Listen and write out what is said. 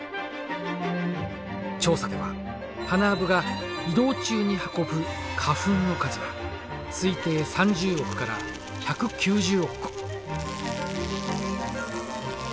調査ではハナアブが移動中に運ぶ花粉の数は推定３０億から１９０億個。